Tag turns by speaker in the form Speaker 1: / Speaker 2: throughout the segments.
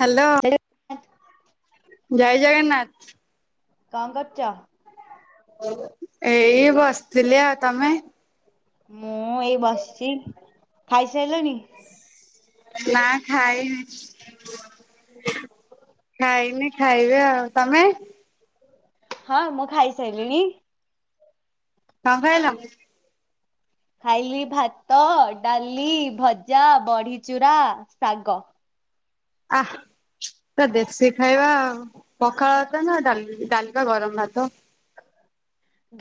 Speaker 1: Hello.
Speaker 2: [unintelligible]
Speaker 1: ଜୟ ଜଗନ୍ନାଥ।
Speaker 2: କଁ କରୁଚ?
Speaker 1: ଏଇ ବସିଥିଲି ଆଉ ତମେ?
Speaker 2: ମୁଁ ଏଇ ବସିଚି, ଖାଇସାଇଲଣି?
Speaker 1: ନା ଖାଇନି।
Speaker 2: [unintelligible]
Speaker 1: ଖାଇନି ଖାଇବା, ଆଉ ତମେ?
Speaker 2: ହଁ ମୁଁ ଖାଇସାଇଲିଣି।
Speaker 1: କଁ ଖାଇଲ?
Speaker 2: ଖାଇଲି ଭାତ, ଡାଲି, ଭଜା, ବଢିଚୁରା, ଶାଗ।
Speaker 1: ଆ ପୁରା ଦେଖି ଖାଇବା ଆଉ। ପଖାଳ ଭାତ ନା ଡାଲି ଡାଲି ପା ଗରମ ଭାତ।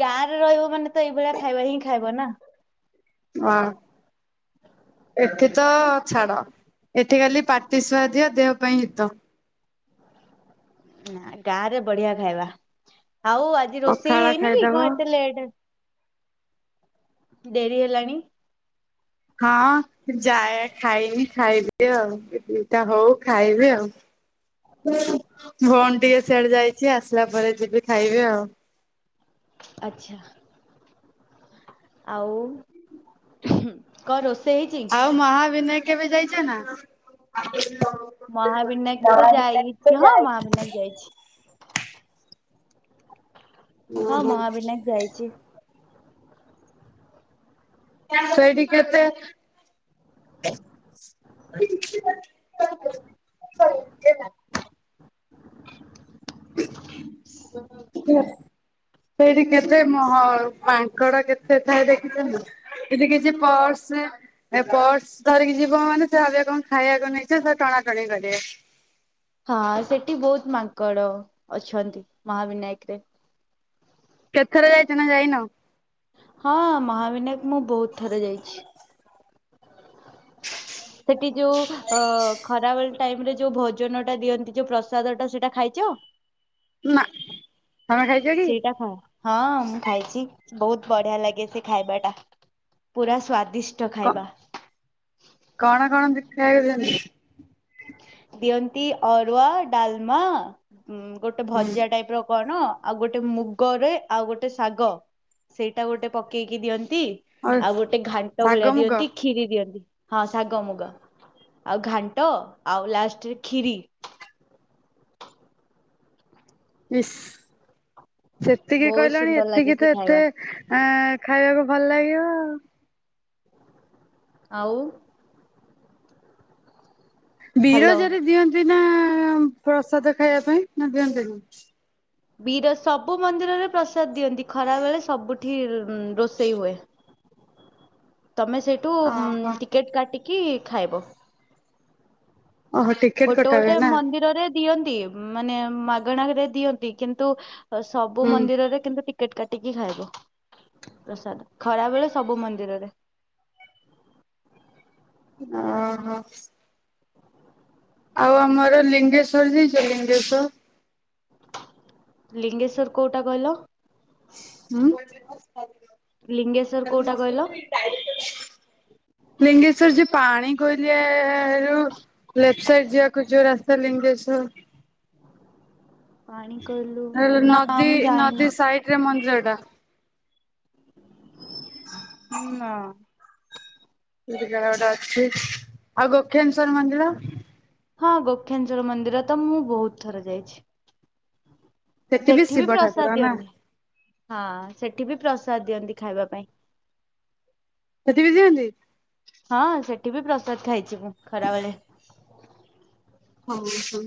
Speaker 2: ଗାଁ ରେ ରହିବ ମାନେ ତ ଏଇଭଳିଆ ଖାଇବା ହିଁ ଖାଇବ ନା।
Speaker 1: [unintelligible] ଏଠି ତ ଛାଡ ଏଠି ଖାଲି ପାଟି ସୁଆଦିଅ ଦେହ ପାଇଁ ହିତ।
Speaker 2: ନା ଗାଁ ରେ ବଢିଆ ଖାଇବା, ଆଉ ଆଜି ରୋଷେଇ
Speaker 1: ପଖାଳ
Speaker 2: ହେଇନି କି
Speaker 1: ଖାଇଦବ
Speaker 2: କଁ ଏତେ ଲେଟ ଡେରି ହେଲାଣି।
Speaker 1: ହଁ। ଯାଏ ଖାଇନି ଖାଇବି ଆଉ ଈଟିଲି ଟା ହଉ ଖାଇବି ଆଉ। ଭଉଣୀ ଟିକେ ସିଆଡେ ଯାଇଚି ଆସିଲା ପରେ ଯିବି ଖାଇବି ଆଉ।
Speaker 2: ଆଚ୍ଛା। ଆଉ। କ ରୋଷେଇ ହେଇଚି?
Speaker 1: ଆଉ ମହାବନାୟ କେବେ ଯାଇଚ ନା?
Speaker 2: ମହାବିନାୟକ ତ ଯାଇଚି ହଁ ମହାବିନାୟକ ଯାଇଛି। ହଁ ମହାବିନାୟକ ଯାଇଚି।
Speaker 1: ସେଇଟି କେତେ [unintelligible] [unintelligible] ସେଇଠି କେତେ ମ ହ ମାଙ୍କଡ କେତେ ଥାଏ ଦେଖିଚ ନା। ଏଥି କିଛି ପର୍ସ ଏ ପର୍ସ ଧରିକି ଯିବ ମାନେ, ସେ ଭାବିବେ କଁ ଖାଇବାକୁ ନେଇଚ ସେ ଟଣାଟଣି କରିବେ।
Speaker 2: ହଁ ସେଟି ବହୁତ ମାଙ୍କଡ ଅଛନ୍ତି ମହାବିନାୟକ ରେ।
Speaker 1: କେତେଥର ଯାଇଚ ନା ଯାଇନ?
Speaker 2: ହଁ ମହାବିନାୟକ ମୁଁ ବହୁତ ଥର ଯାଇଚି। ସେଟି ଯୋଉ ଅ ଖରା ବେଳ ଟାଇମ ରେ ଯୋଉ ଭୋଜନ ଟା ଦିଅନ୍ତି ଯୋଉ ପ୍ରସାଦ ଟା ସେଟା ଖାଇଚ?
Speaker 1: ନା, ତମେ ଖାଇ
Speaker 2: ସେଇଟା ଖା ହଁ ମୁଁ ଖାଇଚି, ବହୁତ ବଢିଆ ଲାଗେ ସେ ଖାଇବା ଟା ପୁରା ସ୍ଵାଦିସ ଷ୍ଟ
Speaker 1: କ
Speaker 2: ଖାଇବା।
Speaker 1: କଣ କଣ [unintelligible] ଖାଇବାକୁ ଦିଅନ୍ତି?
Speaker 2: ଦିଅନ୍ତି ଅରୁଆ ଡାଲମା ଗୋଟେ
Speaker 1: ହୁଁ
Speaker 2: ଭଜା ଟାଇପ ର କଣ ଆଉ ଗୋଟେ ମୁଗରେ, ଆଉ ଗୋଟେ ଶାଗ ସେଇଟା ଗୋଟେ ପକେଇକି ଦିଅନ୍ତି। ଆଉ ଗୋଟେ ଘାଣ୍ଟ
Speaker 1: ଶାଗ
Speaker 2: ଭଳିଆ
Speaker 1: ମୁଗ
Speaker 2: ଦିଅନ୍ତି ଖିରି ଦିଅନ୍ତି। ହଁ ଶାଗ ମୁଗ ଆଉ ଘାଣ୍ଟ ଆଉ ଲାଷ୍ଟରେ ଖିରି।
Speaker 1: ଇସ୍ ସେତିକି
Speaker 2: ବହୁତ
Speaker 1: କହିଲଣି
Speaker 2: ସୁନ୍ଦର ଲାଗେ
Speaker 1: ଏତିକି
Speaker 2: ସେ
Speaker 1: ତ ଏତେ
Speaker 2: ଖାଇବା
Speaker 1: ଆଁ ଖାଇବାକୁ ଭଲ ଲାଗିବ।
Speaker 2: ଆଉ ହ୍ୟାଲୋ
Speaker 1: ବିରଜାରେ ଦିଅନ୍ତି ନା ପ୍ରସାଦ ଖାଇବା ପାଇଁ ନା ଦିଅନ୍ତି ନି?
Speaker 2: ବିର ସବୁ ମନ୍ଦିରରେ ପ୍ରସାଦ ଦିଅନ୍ତି ଖରା ବେଳେ ସବୁଠି ଉଁ ରୋଷେଇ ହୁଏ। ତମେ ସେଠୁ
Speaker 1: ଓହୋ
Speaker 2: ଟିକେଟ୍ କାଟିକି ଖାଇବ।
Speaker 1: ଓ ହୋ ଟିକ୍
Speaker 2: ଗୋଟେ ଗୋଟେ ମନ୍ଦିରରେ ଦିଅନ୍ତି। ମାନେ ମାଗଣା ରେ ଦିଅନ୍ତି। କିନ୍ତୁ? ଅ ସବୁ
Speaker 1: ହୁଁ
Speaker 2: ମନ୍ଦିରରେ କିନ୍ତୁ ଟିକ କେଟ୍ କାଟିକି ଖାଇବ ପ୍ରସାଦ ଖରାବେେଳେ ସବୁ ମନ୍ଦିରରେ।
Speaker 1: ଓ ହ ଆଉ ଆମର ଲିଙ୍ଗେଶ୍ଵର ଯାଇଛ? ଲିଙ୍ଗେଶ୍ଵର
Speaker 2: ଲିଙ୍ଗେଶ୍ଵର କୋଉଟା କହିଲ? ଲିଙ୍ଗେଶ୍ଵର କୋଉଟା କହିଲ
Speaker 1: ଉଁ ଲିଙ୍ଗେଶ୍ୱର ଯେ ପାଣିିକୋଇଲି ରେ ଯୋଉ ଲେଫ୍ଟ ସାଇଡ୍ ଯିବାକୁ ଯୋଉ ରାସ୍ତା ଲିଙ୍ଗେଶ୍ୱର
Speaker 2: ପାଣି କୋଇଲୁ
Speaker 1: ହେଲ
Speaker 2: ନା
Speaker 1: ନଦୀ
Speaker 2: ମୁଁ ଯାଇନି
Speaker 1: ନଦୀ ସାଇଟ୍ ରେ ମନ୍ଦିର ଟା।
Speaker 2: ନାଁ
Speaker 1: ସେଇଠି କାଳେ ଗୋଟେ ଅଛି ଆଉ ଗୋକ୍ଷେନସ୍ୱର ମନ୍ଦିର।
Speaker 2: ହଁ ଗୋକ୍ଷେନସ୍ୱର ମନ୍ଦିର ତ ମୁଁ ବହୁତ ଥର ଯାଇଛି। ସେଠି ବି
Speaker 1: ଶିବ ଠାକୁର
Speaker 2: ପ୍ରସାଦ
Speaker 1: ନା
Speaker 2: ଦିଅନ୍ତି, ହଁ ସେଠି ବି ପ୍ରସାଦ ଦିଅନ୍ତି ଖାଇବା ପାଇଁ।
Speaker 1: ସେଠି ବି ଦିଅନ୍ତି?
Speaker 2: ହଁ ସେଠି ବି ପ୍ରସାଦ ଖାଇଛି ମୁଁ ଖରାବେଳେ।
Speaker 1: ଓ ହଁ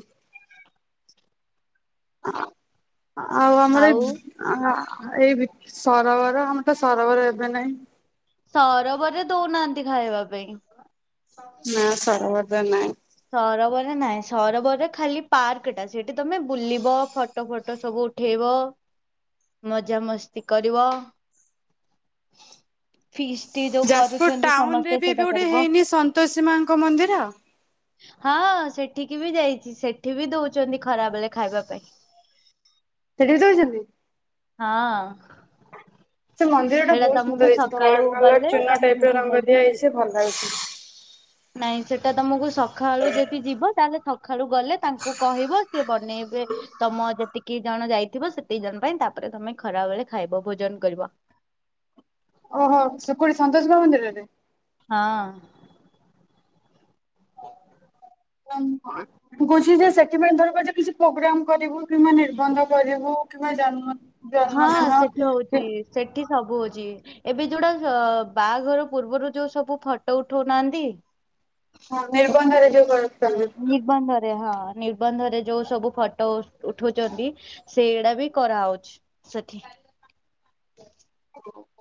Speaker 1: ଅ ଆଉ ଆମର ଯ ଆ ଏଇ ବି ସରୋବର ଆମର ତ ସରୋବର ଏବେ ନାଇଁ।
Speaker 2: ସରୋବରରେ ଦୋଉନାହାନ୍ତି ଖାଇବା ପାଇଁ।
Speaker 1: ନା ସରବରରେ ନାଇଁ।
Speaker 2: ସରୋବର ରେ ନାଇଁ, ସରୋବର ରେ ଖାଲି ପାର୍କ ଟା ସେଠି ତମେ ବୁଲିବ ଫଟ ଟ ଫଟ ସବୁ ଉଠେଇବ ମଜା ମସ୍ତି କରିବ।
Speaker 1: [inaudible]
Speaker 2: ଫିଷ୍ଟି ଯୋଉ
Speaker 1: ଯାଜପୁର
Speaker 2: କରୁଛନ୍ତି
Speaker 1: ଟାଉନ ରେ
Speaker 2: ସମସ୍ତେ
Speaker 1: ବି ଏବେ
Speaker 2: ସେଇଟା
Speaker 1: ଗୋଟେ
Speaker 2: କରିବ
Speaker 1: ହେଇନି ସନ୍ତୋଷୀ ମାଙ୍କ ମନ୍ଦିର?
Speaker 2: ହଁ, ସେଠିକି ବି ଯାଇଛି ସେଠି ବି ଦଉଚନ୍ତି ଖରାବେଳେ ଖାଇବା ପାଇଁ।
Speaker 1: ସେଠିବି ଦଉଚନ୍ତି?
Speaker 2: ହଁ
Speaker 1: ସେ ମନ୍ଦିର ଟା
Speaker 2: ସେଇଟା
Speaker 1: ବହୁତ ସୁନ୍ଦର
Speaker 2: ତମକୁ
Speaker 1: ହେଇଚି ଧଳା
Speaker 2: ସକାଳୁ
Speaker 1: କଲର
Speaker 2: ଗଲେ
Speaker 1: ଚୁନ
Speaker 2: ତମେ
Speaker 1: ଟାଇପ
Speaker 2: ସେଇଠି
Speaker 1: ରଙ୍ଗ
Speaker 2: ଯାଇକି
Speaker 1: ଦିଆ ହେଇଚି ଭଲ ଲାଗୁଚି। [unintelligible]
Speaker 2: ନାଇଁ ସେଟା ତମକୁ ସଖାଳୁ ଯଦି ଯିବ ତାହେଲେ ସକାଳୁ ଗଲେ ତାଙ୍କୁ କହିବ ସିଏ ବନେଇବେ ତମ ଯେତିକି ଜଣ ଯାଇଥିବ ସେତିକି ଜଣ ପାଇଁ ତାପରେ ତମେ ଖରା ବେଳେ ଖାଇବ ଭୋଜନ କରିବ।
Speaker 1: ଓହୋ ସେପଟେ ସନ୍ତୋଷୀ ମା ମନ୍ଦିରରେ?
Speaker 2: ହଁ
Speaker 1: ମୁଁ କହୁଛି ଯେ ସେଥିପାଇଁ ଧର ଗୋଟେ କିଛି ପ୍ରୋଗ୍ରାମ କରିବୁ କିମ୍ବା ନିର୍ବନ୍ଧ କରିବୁ କିମ୍ବା ଜନ୍ମ
Speaker 2: ହଁ
Speaker 1: ଜନ୍ମଦିନ
Speaker 2: ସେଠି ହଉଛି
Speaker 1: କି
Speaker 2: ସେଠି ସବୁ ହୋଉଚି। ଏବେ ଯୋଉଟା ଅ ବାହାଘର ପୂର୍ବରୁ ଯୋଉ ସବୁ ଫଟୋ ଉଠଉନାହାନ୍ତି?
Speaker 1: ହଁ ନିର୍ବନ୍ଧରେ ଯୋଉ କରନ୍ତ
Speaker 2: ନିର୍ବନ୍ଧ ରେ ହଁ ନିର୍ବନ୍ଧରେ ଯୋଉ ସବୁ ଫଟୋ ଉଠୁଚନ୍ତି ସେଇଗୁଡା ବି କରାହୋଉଚି। ସେଠି
Speaker 1: [unintelligible]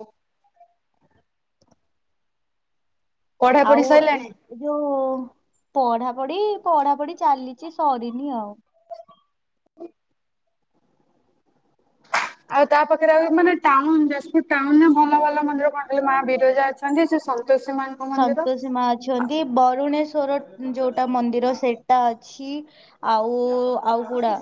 Speaker 1: ପଢାପଢି
Speaker 2: ଆଉ ଏ
Speaker 1: ସରିଲାଣି?
Speaker 2: ଏ ଯୋଉ ପଢାପଢି ପଢାପଢି ଚାଲିଛି ସରିନି ଆଉ।
Speaker 1: ଆଉ ତା ପାଖରେ ଆ ମାନେ ଟାଉନ୍ ଯାଜପୁର। ଟାଉନ ରେ ଭଲ ଭଲ ମନ୍ଦିର କଣ କହିଲ ମା ବିରଜା ଅଛନ୍ତି ସେ ସନ୍ତୋଷୀ ମାଙ୍କ ମନ୍ଦିର।
Speaker 2: ସନ୍ତୋଷୀ ମା ଅଛନ୍ତି ବରୁଣେଶ୍ଵର ଯୋଉଟା ମନ୍ଦିର ସେଇଟା ଅଛି ଆଉ ଆଉ କଉଡା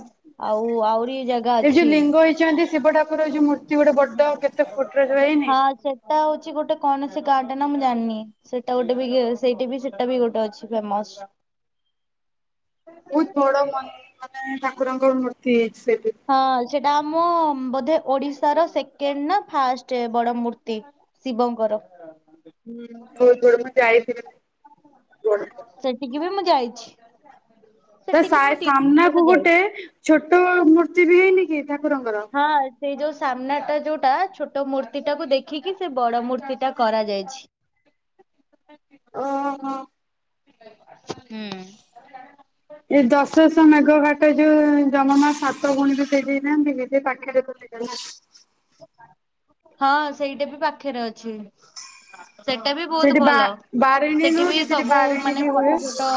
Speaker 2: ଆଉ ଆହୁରି ଜାଗା ଅଛି।
Speaker 1: ବଇଛନ୍ତି ଶିବ ଠାକୁର ଯୋଉ ମୂର୍ତ୍ତି ଗୋଟେ ବଡ କେତେ ଫୁଟ୍ ର ଯୋଉ ହେଇନି।
Speaker 2: ସେଇଟା ହଉଛି ଗୋଟେ କୌଣସି ଗାର୍ଡ ନ ମୁଁ ଜାଣିନି। ସେଇଟା ଗୋଟେ ବି ସେଇଠି ବି ସେଟା ବି ଗୋଟେ ଅଛି ଫେମସ।
Speaker 1: ବହୁତ ବଡ ମ ମାନେ ଠାକୁରଙ୍କ ମୂର୍ତ୍ତି ହେଇଛି ସେଠି।
Speaker 2: ହଁ, ସେଟା ଆମ ବୋଧେ ଓଡିଶାର ସେକେଣ୍ଡ ନା ଫାଷ୍ଟେ ବଡ ମୂର୍ତ୍ତି। ଶିବଙ୍କର।
Speaker 1: ବହୁତ ବଡ଼ ମୁଁ ଯାଇଥିଲି। [unintelligible]
Speaker 2: ସେଠିକି ବି ମୁଁ ଯାଇଛି।
Speaker 1: ତା
Speaker 2: ସେଠିକି
Speaker 1: ସାଇ
Speaker 2: ମୁଁ ଦି ତିନି
Speaker 1: ସାମ୍ନାକୁ
Speaker 2: ଥର
Speaker 1: ଗୋଟେ
Speaker 2: ଯାଇଛି।
Speaker 1: ଛୋଟ ମୂର୍ତ୍ତି ବି ହେଇନି କି ଠାକୁରଙ୍କର।
Speaker 2: ହଁ ସେଇ ଯୋଉ ସାମ୍ନା ଟା ଯୋଉଟା ଛୋଟ ମୂର୍ତ୍ତି ଟାକୁ ଦେଖିକି ସେ ବଡ ମୂର୍ତ୍ତି ସେଟା କରାଯାଇଛି।
Speaker 1: ଓହୋ।
Speaker 2: ହୁଁ।
Speaker 1: ଏଇ ଦଶଶହ ମେଘ ଘାଟ ଯୋଉ ଜମାମା ସାତ ଗୁଣିରୁ ଦେଇ ଦେଇ ନାହାନ୍ତି କି। ସେଇ ପାଖେରେ ତ [unintelligible]
Speaker 2: ହଁ, ସେଇଟା ବି ପାଖରେ ଅଛି। ସେଟା ବି ବହୁତ
Speaker 1: ସେଠି ବା
Speaker 2: ଭଲ
Speaker 1: ବାରେଣୀ
Speaker 2: ସେଠି
Speaker 1: ନୁହଁ
Speaker 2: ବି
Speaker 1: କି
Speaker 2: ସବୁ
Speaker 1: ବାରେଣୀ
Speaker 2: ମାନେ
Speaker 1: ବି ହୁଏ।
Speaker 2: ଫଟୋ ଫଟ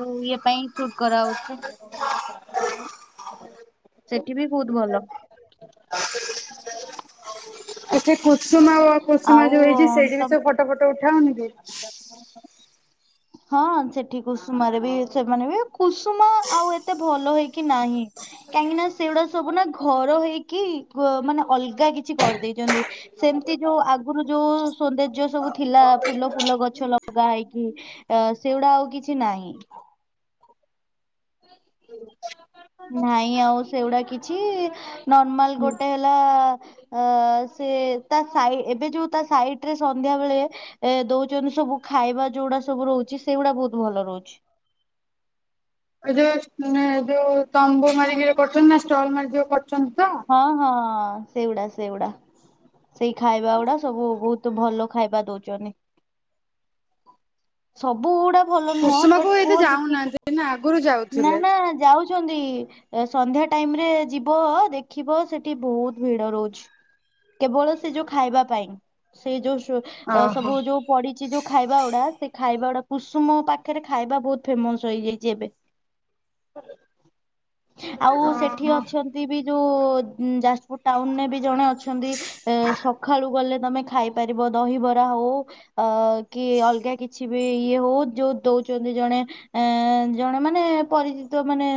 Speaker 2: ଯୋଉ ଇଏ ପାଇଁ ସୁଟ୍ କରାହଉଛି। ସେଠି ବି ବହୁତ୍ ଭଲ।
Speaker 1: ସେଠି କୁସୁମା କୁସୁମା
Speaker 2: ଆଉ
Speaker 1: ଯୋଉ ହେଇଛି ସେଇଠି ବି
Speaker 2: ତ
Speaker 1: ସବୁ ଫଟୋ ଫଟ ଉଠାହଉନି କି। ହଁ!
Speaker 2: ହଁ, ସେଠି କୁସୁମାରେ ବି ସେମାନେ ବି କୁସୁମା ଆଉ ଏତେ ଭଲ ହେଇକି ନାହିଁ। କାହିଁକି ନା ସେଗୁଡା ସବୁ ନା ଘର ହେଇକି ମାନେ ଅଲଗା କିଛି କରିଦେଇଛନ୍ତି। ସେମିତି ଯୋଉ ଆଗରୁ ଯୋଉ ସୌନ୍ଦର୍ଯ୍ୟ ସବୁ ଥିଲା। ଫୁଲ ଫୁଲ ଗଛ ଲଗା ହେଇକି ସେଗୁଡା ଆଉ କିଛି ନାହିଁ।
Speaker 1: ହୁଁ
Speaker 2: ନାଇଁ ଆଉ ସେଗୁଡା କିଛି ନର୍ମାଲ ଗୋଟେ ହେଲା। ଅ ସେ ତା ସାଇ ଏବେ ଯୋଉ ତା ସାଇଡ଼ରେ ସନ୍ଧ୍ୟା ବେଳେ। ଏ ଦଉଛନ୍ତି ସବୁ ଖାଇବା ଯୋଉଗଡା ସବୁ ରହୁଛି ସେଇଗୁଡା ବହୁତ ଭଲ ରହୁଛି।
Speaker 1: ଏ ଯୋଉ ଯୋଉ ତମ୍ବୁ ମାରିକିରି କରୁଛନ୍ତି ନା ଷ୍ଟଲ ମାରିକ ଯଉ କରୁଛନ୍ତି ତ।
Speaker 2: ହଁ ହଁ ସେଇଗୁଡା ସେଗୁଡା ସେଇ ଖାଇବା ଗୁଡା ସବୁ ବହୁତ ଭଲ। ଖାଇବା ଦଉଛନ୍ତି ସବୁ ଗୁଡା ଭଲ ନୁହଁ
Speaker 1: କୁସୁମାକୁ
Speaker 2: ବଟ୍ କଉ
Speaker 1: ଏତେ
Speaker 2: ଦିକି
Speaker 1: ଯାଉନାହାନ୍ତି ନା ଆଗରୁ
Speaker 2: ନା
Speaker 1: ଯାଉଥିଲେ।
Speaker 2: ନା ଯାଉ ଉଛନ୍ତି ସନ୍ଧ୍ୟା ଟାଇମରେ ଯିବ ଦେ ଖିବ ସେଠି ବହୁତ ଭିଡ ରହୁଛି କେବଳ ସେ ଯୋଉ ଖାଇବା ପାଇଁ। ସେ ଯୋଉ ସୁ
Speaker 1: ଓହୋ।
Speaker 2: ସବୁ ଯୋଉ। ପଡିଛି ଯୋଉ ଖାଇବା ଗୁଡା ସେ ଖାଇବା ଗୁଡା କୁସୁମ ପାଖରେ ଖାଇବା ବହୁତ ଫେମସ ହେଇଯାଇଛି ଏବେ। ଆଉ ସେଠି
Speaker 1: ଓହୋ
Speaker 2: ଅଛନ୍ତି ବି ଯଉ ଯାଜପୁର ଟାଉନରେ ବି ଜଣେ ଅଛନ୍ତି। ଏ ସଖାଳୁ ଗଲେ ତମେ ଖାଇପାରିବ ଦହିବରା ହଉ। ଅ କି ଅଲଗା କିଛି ବି ଇଏ ହଉ ଯୋଉ ଦଉଛନ୍ତି ଜଣେ। ଏ ଜଣେ ମାନେ ପରିଚିତ ମାନେ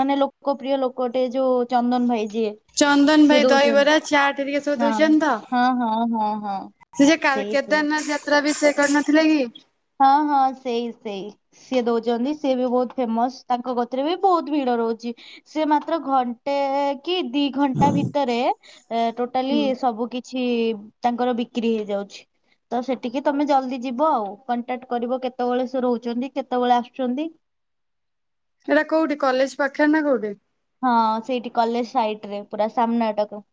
Speaker 2: ମାନେ ଲୋକପ୍ରିୟ ଲୋକଟେ ଯୋଉ ଚ ନ୍ଦନ ଭାଇ ଯିଏ।
Speaker 1: ଚନ୍ଦନ
Speaker 2: ସିଏ
Speaker 1: ଭାଇ
Speaker 2: ଦଉଛନ୍ତି
Speaker 1: ଦହିବରା ଚାଟ ହେରିକା ସବୁ
Speaker 2: ହଁ
Speaker 1: ଦଉଛନ୍ତି
Speaker 2: ହଁ ହଁ ହଁ ହଁ
Speaker 1: ତ। ସେ ଯେ କା
Speaker 2: ସେଇ ସେଇ
Speaker 1: କେଦାରନାଥ ଯାତ୍ରା ବି ସେ କରିନଥିଲେ କି?
Speaker 2: ହଁ ହଁ ସେଇ ସେଇ। ସିଏ ଦଉଚନ୍ତି। ସିଏ ବି ବହୁତ୍ ଫେମସ୍। ତାଙ୍କ ଗତିରେ ବି ବହୁତ୍ ଭିଡ ରହୁଚି। ସେ ମାତ୍ର ଘଣ୍ଟେ କି ଦି ଘଣ୍ଟା ଭିତରେ ଟୋଟାଲି
Speaker 1: ହୁଁ।
Speaker 2: ସବୁ କି ଛି ତାଙ୍କର ବିକ୍ରି ହେଇଯାଉଛି ତ ସେଠିକି ତମେ ଜଲଦି ଯିବ ଆଉ। କଣ୍ଟାକ୍ଟ୍ କରିବ କେତବେଳେ ସେ ରହୁଚନ୍ତି କେତବେଳେ ଆସୁଚନ୍ତି।
Speaker 1: ଏଇଟା କୋଉଠି କଲେଜ ପାଖରେ ନା କୋଉଠି?
Speaker 2: ହଁ ସେଇଠି କଲେଜ ସାଇଟ୍ ରେ ପୁରା ସାମ୍ନା ଟାକୁ।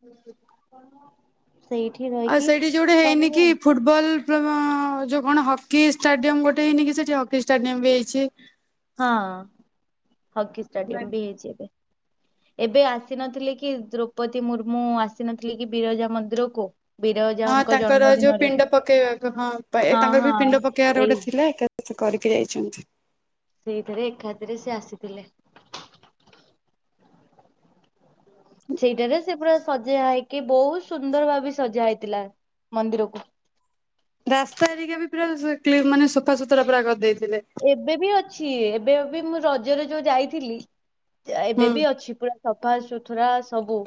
Speaker 1: ହୁଁ
Speaker 2: ସେଇଠି ରହିକି କରିବ ଆଉ।
Speaker 1: ଫୁଟବଲ୍ [unintelligible] ଯୋଉ କଣ ହକି ଷ୍ଟାଡିୟମ ଗୋଟେ ହେଇନି କି ସେଠି ହକି ଷ୍ଟାଡିୟମ ବି ହେଇଚି।
Speaker 2: ହଁ ହକି ଷ୍ଟାଡିୟମ ବି ହେଇଚି ଏବେ। ଏବେ ଆସିନଥିଲେ କି ଦ୍ରୌପଦୀ ମୁର୍ମୁ ଆସିନଥିଲେି କି ବିରଜା ମନ୍ଦିରକୁ।
Speaker 1: ହଁ
Speaker 2: ବିରଜାଙ୍କ
Speaker 1: ତାଙ୍କର ଯୋଉ
Speaker 2: ଜନ୍ମଦିନରେ
Speaker 1: ପିଣ୍ଡ ପକେଇବାକୁ ହଁ ଏ
Speaker 2: ହଁ
Speaker 1: ତାଙ୍କର ବି ପିଣ୍ଡ
Speaker 2: ହଁ
Speaker 1: ପକେଇବାର
Speaker 2: ଏଇ
Speaker 1: ଗୋଟେ ଥିଲା ତ କିଛି କରିକି ଯାଇଚନ୍ତି।
Speaker 2: ସେଇଥେରେ ଏକାତିରେ ସେ ଆସିଥିଲେ। ସେଇଟାରେ ସେ ପୁରା ସଜା ହେଇକି ବହୁତ ସୁନ୍ଦର ଭାବେ ସଜା ହେଇଥିଲା ମନ୍ଦିରକୁ।
Speaker 1: ରାସ୍ତା ଆରିକା ବି ପୁରା ସେ କ୍ଲିନ୍ ମାନେ ସଫା ସୁତୁରା ପୁରା କରିଦେଇଥିଲେ।
Speaker 2: ଏବେ ବି ଅଛି ଏବେ ବି ମୁଁ ରଜରେ ଯୋଉ ଯାଇଥିଲି
Speaker 1: ହୁଁ
Speaker 2: ଏବେ ବି ଅଛି ପୁରା। ସଫା ସୁୁଥୁରା ସବୁ।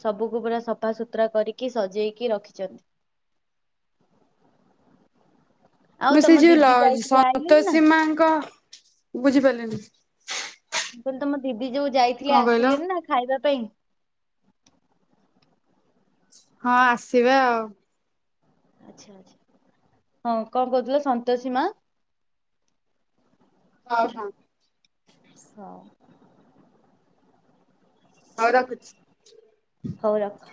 Speaker 2: ସବୁକୁ ପୁରା ସଫାସୁତୁରା କରିକି ସଜେଇକି ରଖିଚନ୍ତି। ଆଉ
Speaker 1: ମୁଁ ସେ
Speaker 2: ତମ
Speaker 1: ଯୋଉ ଲ
Speaker 2: ଦିଦି ଯାଇଥିଲେ ଆଇଲେଣି ନା?
Speaker 1: ସନ୍ତୋଷୀ ମାଙ୍କ ବୁଝିପାରିଲିନି।
Speaker 2: ମୁଁ କହିଲି ତମ ଦିଦି ଯୋଉ
Speaker 1: କଣ
Speaker 2: ଯାଇଥିଲେ
Speaker 1: କହିଲ
Speaker 2: ଆସିଲେନି ନା ଖାଇବା ପାଇଁ?
Speaker 1: ହଁ ଆସିବେ ଆଉ।
Speaker 2: ଆଚ୍ଛା ଆଛା ହଁ କଣ କହୁଥିଲେ ସନ୍ତୋଷୀ ମା
Speaker 1: ହଁ ହଁ।
Speaker 2: ହଉ।
Speaker 1: ହଉ ରଖୁଛି।
Speaker 2: ହଉ ରଖ।